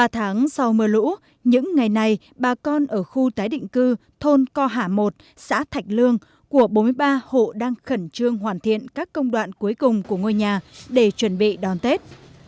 ba tháng sau mưa lũ những ngày này bà con ở khu tái định cư thôn co hạ một xã thạch lương của bốn mươi ba hộ đang khẩn trương hoàn thiện các công đoạn cuối cùng của ngôi nhà để chuẩn bị đón tết